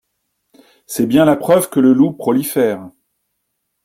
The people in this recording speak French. C’est bien la preuve que le loup prolifère.